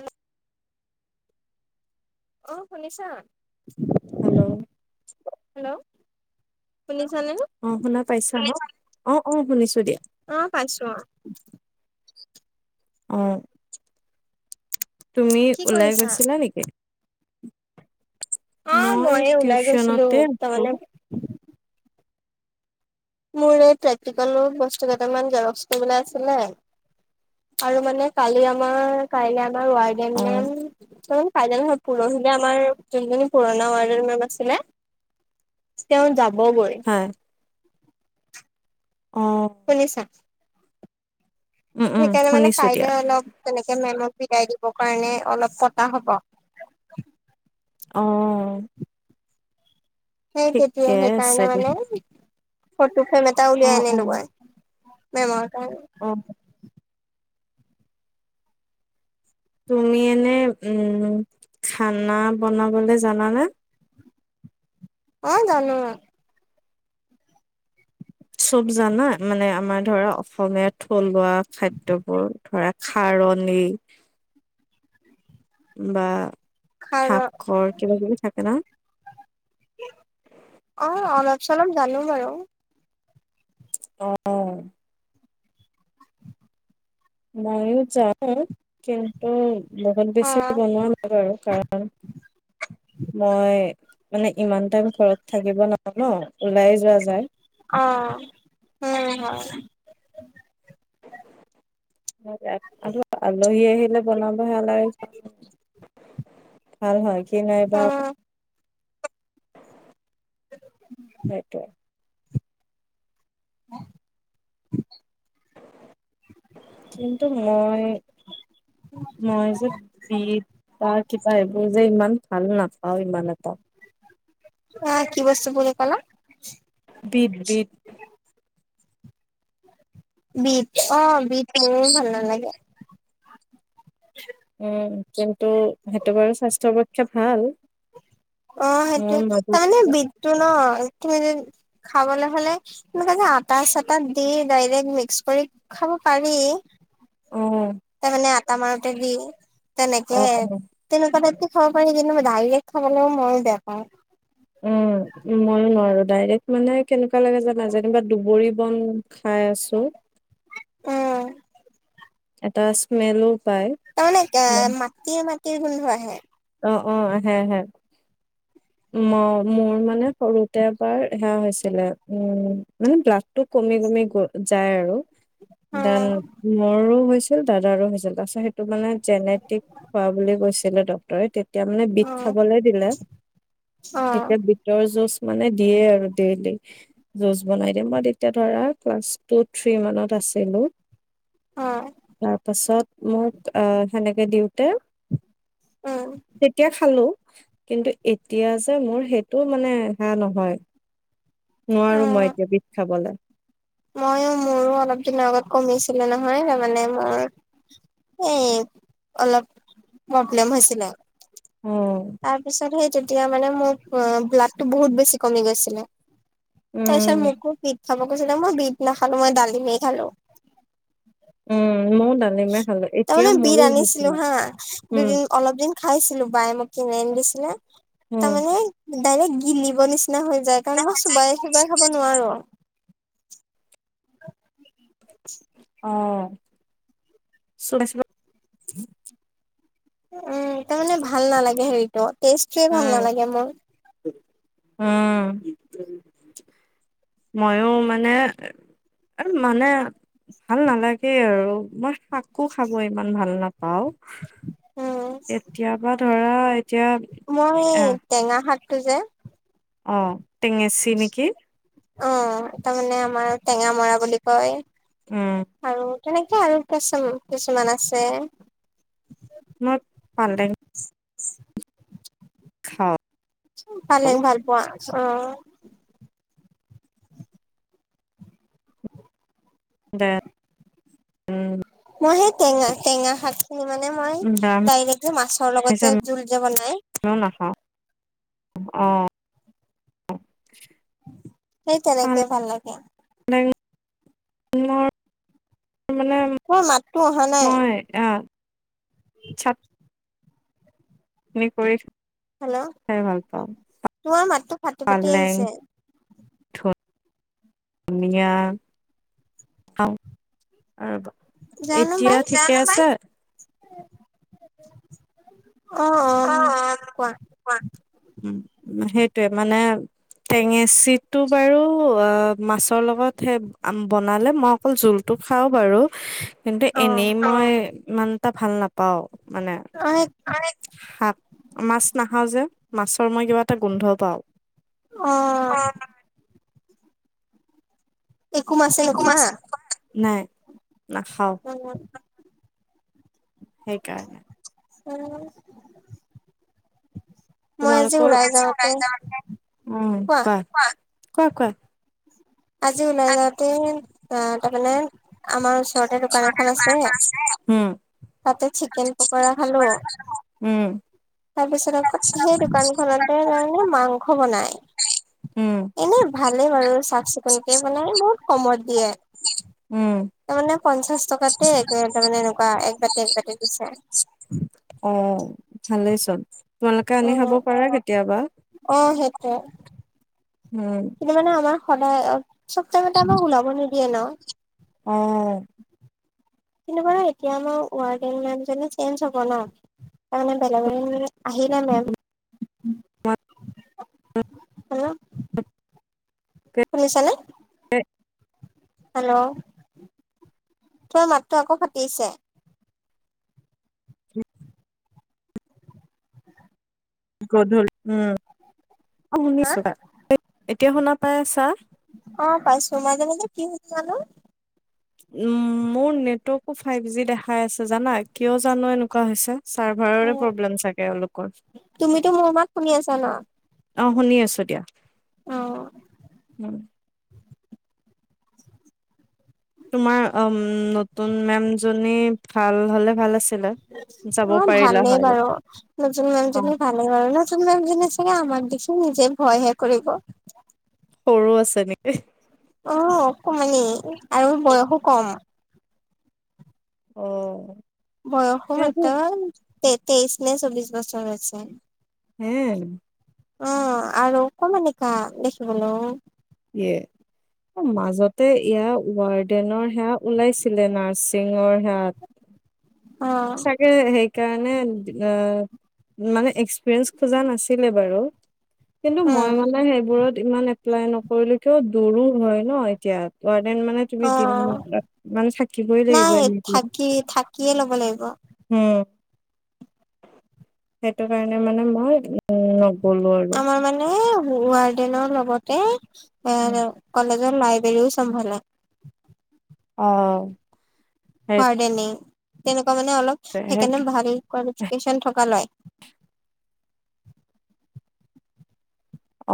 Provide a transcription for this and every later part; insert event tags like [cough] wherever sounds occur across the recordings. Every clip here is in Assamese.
আৰু [unintelligible] অ', শুনিছা? হেল্ল'। হেল্ল' শুনিছানে? অ', শুনা পাইছা ন'? অ', অ', শুনিছো দিয়া। অ', পাইছোঁ অ',। অ তুমি কি ওলাই কৰিছা গৈছিলা নেকি অ মই মইয়ে ওলাই গৈছিলো টিউচনতে আছো তাৰমানে মোৰ এই প্ৰেক্টিকেলৰ বস্তু কেইটামান জেৰক্স কৰিবলে আছিলে আৰু মানে কালি আমাৰ ক আমাৰ েন অ [unintelligible] মে ত কাই পুৰহিলে আমাৰ যোনজনী পুৰণা ৱাৰ্ডৰ মেম আছিলে তেওঁ যাবগৈ হয় অ শুনিছা উম উম সেইকাৰণে মানে শুনিছো কাইলে দিয়া অলপ তেনেকে মেমক বিদায় দিবৰ কাৰণে অলপ কটা হব অ সেই তেতিয়া ঠিকে আছে সেইকাৰণে দিয়া মানে ফটো ফেম এটা অ উলিয়াই আনিলো মই মেমৰ কাৰণে অঁ তুমি এনে উম খানা বনাবলে জানানে অ জানো চব জানা মানে আমাৰ ধৰা অসমীয়া থলুৱা খাদ্য বোৰ ধৰা খাৰণী বা খাৰ শাকৰ কিবা কিবি থাকে ন অ অলপ চলপ জানো বাৰু অ মইও জানো কিন্তু বহুত অ বেছি বনোৱা নাই বাৰু কাৰণ মই মানে ইমান টাইম ঘৰত থাকিব নোৱাৰো ন ওলাই যোৱা যায় অ উম হয় আৰু আলহী আহিলে বনাবহে ভাল হয় কি নাইবা উম সেইটোৱে উ [unintelligible] কিন্তু মই মই যে বিত তা কিবা এইবোৰ যে ইমান ভাল নাপাও ইমান এটা আহ কি বস্তু বুলি কলা বিত বিত বিট অ বিট মো ভাল নালাগে উম কিন্তু সেইটো বাৰু স্বাস্থ্যৰ পক্ষে ভাল অ সেইটোৱে মোৰ মাজত তাৰমানে বিতটো ন তুমি যে খাবলে হলে তেনেকে যে আটা চাতাত দি ডাইৰেক্ট মিক্স কৰি খাব পাৰি অ তাৰমানে আটা মাৰোতে দিও অ তেনেকে অ তেনেকুৱা টাইপকে খাব পাৰি কিন্তু মই ডাইৰেক্ট খাবলৈ ময়ো বেয়া পাওঁ উম ময়ো নোৱাৰো ডাইৰেক্ট মানে কেনেকুৱা লাগে জানা যেনিবা দুবৰি বন খাই আছো উম এটা স্মেলো পায় তাৰমানে কে উম। মাটিয়ে মাটিৰ গোন্ধ আহে অ অ আহে আহে ম মোৰ মানে সৰুতে এবাৰ সেয়া হৈছিলে উম মানে ব্লাত টো কমি কমি গ যায় আৰু অ দেন মোৰো হৈছিল দাদাৰো হৈছিল তাৰপাছত সেইটো মানে জেনেটিক হোৱা বুলি কৈছিলে তই তেতিয়া মানে বিট অ খাবলে দিলে অ তেতিয়া বিট টৰ জুচ মানে দিয়ে আৰু ডেইলী জুচ বনাই দিয়ে মই তেতিয়া ধৰা ক্লাছ টু থ্ৰী মানত আছিলো অ তাৰ পাছত মোক আহ সেনেকে দিওঁতে আহ তেতিয়া খালো কিন্তু এতিয়া যে‌‌ মোৰ সেইটো মানে সেয়া নহয় নোঁৱাৰো মই এতিয়া বিট খাবলে ময়ো মোৰো অলপ দিনৰ আগত কমিছিলে নহয় তাৰমানে মোৰ এ অলপ প্ৰব্লেম হৈছিলে উম তাৰ পিছত সেই তে তিয়া মানে মোক ব্লাডটো বহুত বেছি কমি গৈছিলে তাৰপিছত উম মোকো বিট খাব কৈছিলে মই বিট নাখালো মই দালিমে খালো উম ময়ো ডা তাৰমানে বিট আনিছিলো হা উম দুদিন অলপ দিন খাইছিলো বায়ে মোক কিনি আনি দিছিলে উম তাৰমানে ডাইৰেক্ট গিলিব নিছ নিচিনা হৈ যায় কাৰণ মই চোবাই চোবাই খাব নোঁৱাৰো [inaudible] অ চোবাই চোবা উম তাৰ মানে ভাল নালাগে হেৰিটো টেষ্টটোয়ে ভাল উম নালাগে মোৰ উম ময়ো মানে আৰু মানে ভাল নালাগে আৰু মই শাক কো খাব ইমান ভাল নাপাওঁ উম। কেতিয়াবা ধৰা এতিয়া মই এ টেঙা শাকটো যে অ টেঙেচি নেকি অ তাৰমানে আমাৰ টেঙামৰা বুলি কয় উম আৰু তেনেকে আৰু কিছু কিছুমান আছে মই পালেং পালেং ভাল পোৱা অ [unintelligible] মই সেই টেঙা টেঙা শাকখিনি মানে মই নিৰামিষে ডাইৰেক্ট যে মাছৰ লগত যে জোল যে বনাই মই নাখাওঁ অহ সেই তেনেকে ভাল লাগে [unintelligible] মো মাততো অহা নাই অ ছাত। [unintelligible] কৰি হেল্ল' খাই ভাল পাওঁ তোমাৰ মাততো ফাটি ফাটি আহিছে পালেং [unintelligible] ধুনীয়া খাওঁ আৰু জানো এতিয়া পাই ঠিকে আছে অ কোৱা উম সেইটোৱে মানে টেঙেচীটো বাৰু অ মাছৰ লগত হে বনালে মই অকল জোল টো খাও বাৰু কিন্তু অ এনেই মই ইমান এটা ভাল নাপাও, মানে [unintelligible] [unintelligible] মাছ নাখাও যে মাছৰ মই কিবা এটা গোন্ধ পাওঁ। অ'। একো মমাছেই নোখোৱা? নাই নাখাও। অ'। সেইকাৰণে। উম। তোমালোকৰ উম, কোৱা কোৱা কোৱা? আজি ওলাই যাওতে আহ, তাৰমানে আমাৰ ওচৰতে দোকান এখন আছে। উম তাতে চিকেন পকৰা খালো। উম। তাৰ পিছত আকৌ সেই দোকানখনতে তাৰমানে মাংস বনাই। উম এনে ভালেই বাৰু চাফ-চিকুণকে বনাই বহুত কমত দিয়ে। উম। তাৰ মানে পঞ্চাশ টকাতে একে তাৰমানে এনেকুৱা এক বাতি এক বাতি দিছে অ', ভালে চোন। তোমালোকে অ আনি খাব পাৰা কেতিয়াবা। [unintelligible] উম। [unintelligible] মানে আমাৰ সদায় অ', চব টাইমতে আমাক ওলাব নিদিয়ে ন'। অ'। কিন্তু মানে এতিয়া আমাৰ ৱাৰডে মেম জনি চেঞ্জ হ'ব ন'? তাৰমানে বেলগৰ আহিলে মেম। হেল্ল'? [unintelligible] শুনিছানে? [unintelligible] হেল্ল' তোমাৰ মাতটো আকৌ ফাটিছে। গধূল উম, অ', হা শুনিছো। এতিয়া শুনা পাই আছা? অ', পাইছো মাজে মাজে কি হৈছে জানো। উম, মোৰ নেটৱৰ্কো ফাইভ জি দেখাই আছে জানা, কিয় জানো এনেকুৱা হৈছে। চাৰ্ভাৰৰে উম, প্ৰব্লেম চাগে এওঁলোকৰ। অ', তুমিতো মোৰ মাত শুনি আছা ন শুনি আছো দিয়া। অ'। উম, তোমাৰ অ', নতুন মে'ম জনী ভাল হ'লে ভাল আছিলে। যাব অ', পাৰিলা ভালেই হয় বাৰু। নতুন মেম অ', জনি ভালেই বাৰু, নতুন মেম জনি চাগে আমাক দেখি নিজে ভয়ে কৰিব। সৰু আছে নেকি? অ', অকমানি আৰু বয়সো ক'ম। অ'। বয়সো ইয়াতো মাত্ৰ তে-তেইশ নে চবিশ বছৰ হৈছে। হে? অ', আৰু অকমানিকা দেখিবলৈও। ইয়ে। মাজতে ইয়াৰ ৱাৰ্ডেনৰ সেয়া ওলাইছিলে, নাৰ্ছিঙৰ হেয়া অ [inaudible] তাকে সেইকাৰণে আহ, মানে এক্সপিৰিয়েঞ্চ খোজা নাছিলে বাৰু। কিন্তু উম মই মানে সেইবোৰত ইমান, এপ্লাই নকৰো তো, দূৰো হয় ন, এতিয়া ৱাৰ্ডেন মানে তুমি, অ [inaudible] মানে থাকিবই লাগিব নাই এনেকেই থাকি থাকিয়ে ল'ব লাগিব উম, সেইটো কাৰণে মানে মই উম, ন আমাৰ মানে, ৱাৰ্ডেনৰ লগতে, এই কলেজ যত, লাইব্ৰেৰীও চম্ভলে। অ, সেইটোৱে ৱাৰ্ডেনই তেনেকুৱা মানে অলপ, সেই সেইকাৰণে ভাল [inaudible] থকা ল'ৰাই।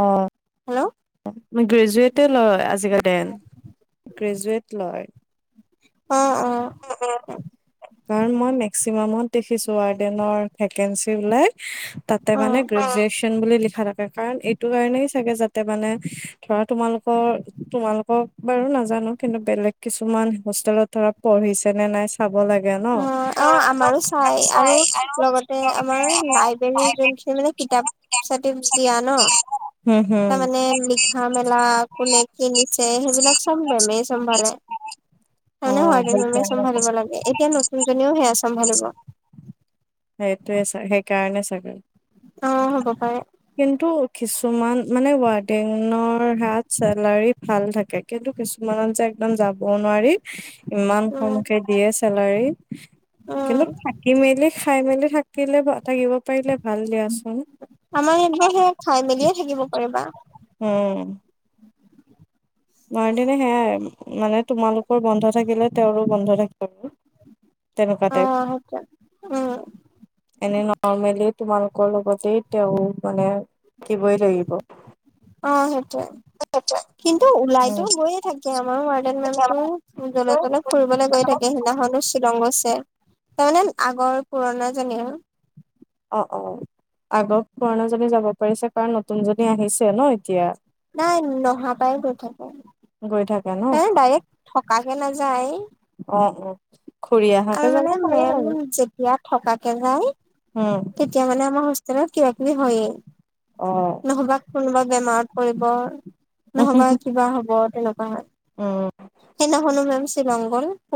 অ, হেল্ল' গ্ৰেজুৱেটে লয়, আজিকালি, গ্ৰেজুৱেট লয়। অ, অ, [unintelligible] কাৰণ মই মেক্সিমামত দেখিছো, ৱাৰ্ডেনৰ ভেকেন্সি ওলাই। তাতে অ মানে, গ্ৰেজুৱেচন বুলি লিখা থাকে। কাৰণ এইটো কাৰণেই চাগে যাতে মানে, ধৰা তোমালোকৰ, তোমালোকৰ বাৰু নাজানো, কিন্তু বেলেগ কিছুমান হোষ্টেলত ধৰক পঢ়িছে নে নাই চাব লাগে ন, অ অ আমাৰো চাই আৰু লগতে [unintelligible] কিতাপ-চাতিপ দিয়া ন, হম হম। তাৰমানে লিখা-মেলা কোনে কি দিছে, সেইবিলাক চ'ব মেমেই চম্ভালে। তাৰমানে অই, ৱাৰ্ডেন মেমে চম্ভালিব লাগে, এতিয়া নতুন জনিয়েও সেয়া চম্ভালিব। সেইটোয়ে চা, সেইকাৰণে চাগে। অ, হ'ব পাৰে। কিন্তু কিছুমান মানে, ৱাৰ্ডেনৰ হাত চেলাৰী ভাল থাকে কিন্তু কিছুমানত যে, একদম যাব নোৱাৰি, ইমান খং উম উঠে। দিয়ে চেলাৰী, উম কিন্তু থাকি মেলি, খাই মেলি থাকিলে, থাকিব পাৰিলে ভাল, দিয়াচোন। আমাৰ ইয়াত বাৰু সেয়া খাই, মেলিয়ে থাকিব পাৰিবা। উম, ৱাৰ্ডেনৰ সেয়াই মানে, তোমালোকৰ বন্ধ থাকিলে তেওঁৰো বন্ধ থাকিব আৰু। তেনেকুৱা অ তাইপ। সেইটোৱে উম এনে নৰ্মেলি, তোমালোকৰ লগতে তেওঁ মানে থাকিবই লাগিব। অ সেইটোৱে [unintelligible] কিন্তু ওলাইতো উম গৈয়ে থাকে, আমাৰ ৱাৰ্ডেন মেমতো অ জলৈ- তলৈ ফু ফুৰিবলৈ গৈ থাকে, সেইদিনাখনো শ্বিলং গৈছে তাৰমানে আগৰ, পুৰণা জনী আৰু। অ, অ, আগৰ পুৰণা জনী যাব পাৰিছে, কাৰণ নতুন জনী আহিছে ন, এতিয়া। নাই, নহা পাই গৈ থাকে। গৈ থাক তাই ডাইৰেক্ট, থকাকে নাযায়। অ অ খুৰী আহাকে আৰু যাব মানে পাৰে মেম যেতিয়া, থকাকে যায়। উমঁ। এতিয়া মানে আমাৰ হোষ্টেলত কিবা কিবি হয়ে। অ নহ'বা কোনোবা বেমাৰত পৰিব। নহ'বা কিবা হ'ব তেনেকুৱা হয়। উম। সেইদিনাখনো মেম শ্বিলং গ'ল।